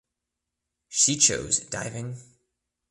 She chose diving.